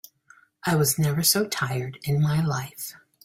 I was never so tired in my life.